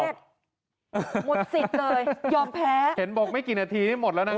หมดสิทธิ์เลยยอมแพ้เห็นบอกไม่กี่นาทีนี่หมดแล้วนะ